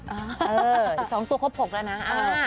อีกสองตัวครบหกแล้วนะอ่า